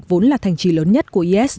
vốn là thành trì lớn nhất của is